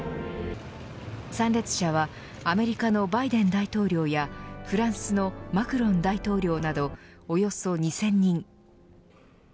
参列者はアメリカのバイデン大統領やフランスのマクロン大統領などおよそ２０００人。